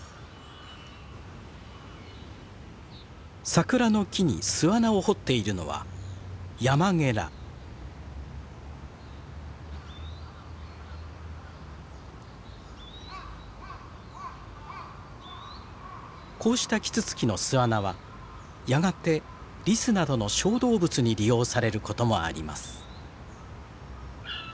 桜の木に巣穴を掘っているのはこうしたキツツキの巣穴はやがてリスなどの小動物に利用されることもあります。